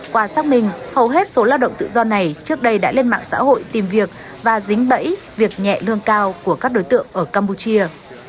qua xác minh hầu hết số lao động tự do này trước đây đã lên mạng xã hội tìm việc và dính bẫy việc nhẹ lương cao của các đối tượng ở campuchia